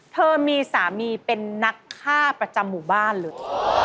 เธอมีสามีเป็นนักฆ่าประจำหมู่บ้านเลย